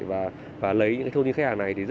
và lấy những thông tin khách hàng này rất rộng lớn